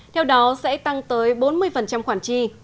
theo đó sẽ tăng tới bốn mươi khoản chi